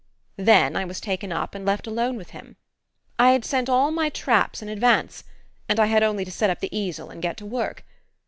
"Then I was taken up and left alone with him. I had sent all my traps in advance, and I had only to set up the easel and get to work.